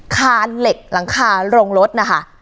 สลับผัดเปลี่ยนกันงมค้นหาต่อเนื่อง๑๐ชั่วโมงด้วยกัน